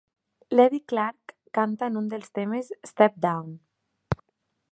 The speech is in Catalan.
L'Eddie Clark canta en un dels temes:"Step Down".